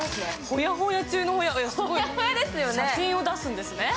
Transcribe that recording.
ホヤホヤ中の写真を出すんですね。